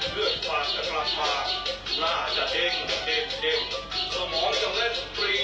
เพื่อนฝากจะกลับมาหน้าจะดิ้งเด็บสมองก็เล่นฟรี